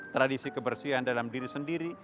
tradisi kebersihan dalam diri sendiri